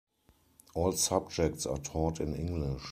All subjects are taught in English.